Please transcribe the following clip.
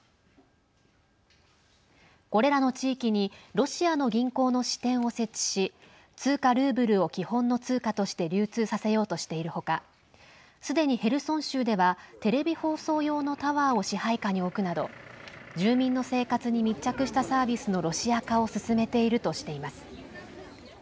これらの地域にロシアの銀行の支店を設置し通貨ルーブルを基本の通貨として流通させようとしているほかすでに、ヘルソン州ではテレビ放送用のタワーを支配下に置くなど住民の生活に密着したサービスのロシア化を進めているとしています。